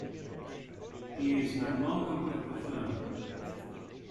He is no longer with the firm.